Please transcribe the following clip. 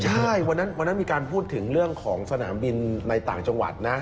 ใช่วันนั้นมีการพูดถึงเรื่องของสนามบินในต่างจังหวัดนะ